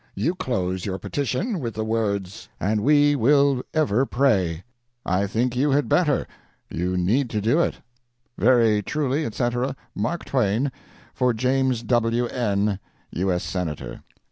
You close your petition with the words: "And we will ever pray." I think you had better you need to do it. "'Very truly, etc., "'MARK TWAIN, "'For James W. N , U. S. Senator.'